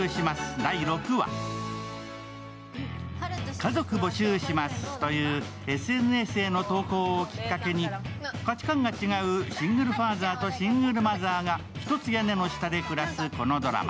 「家族募集します」というＳＮＳへの投稿をきっかけに価値観が違うシングルファーザーとシングルマザーが一つ屋根の下で暮らすこのドラマ。